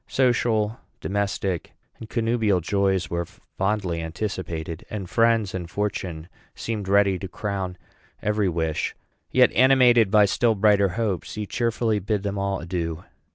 Social, domestic, and connubial joys were fondly anticipated, and friends and fortune seemed ready to crown every wish; yet, animated by still brighter hopes, he cheerfully bade them all adieu.